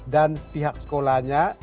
dan pihak sekolahnya